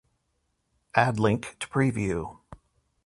Add link to preview